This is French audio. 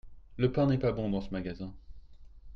Le pain n'est pas bon dans ce magasin.